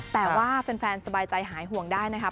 แต่ว่าแฟนสบายใจหายห่วงได้นะคะ